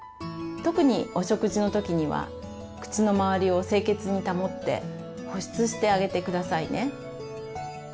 特にお食事の時には口の周りを清潔に保って保湿してあげてくださいね。